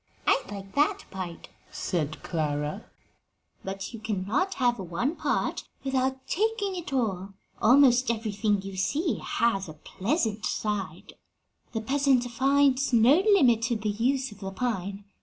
"I'd like that part," said Clara. [Illustration: THE BLUE SPRUCE.] "But you cannot have one part without taking it all; almost everything, you see, has a pleasant side. 'The peasant finds no limit to the use of the pine.